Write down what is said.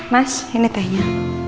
mas ini tehnya